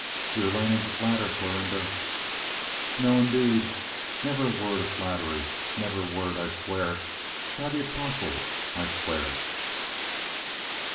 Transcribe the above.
"You're learning to flatter, Florinda." "No, 'deed, missa ne'er a word ob flattery ne'er a word, I swa it. By de 'postles, I swa it."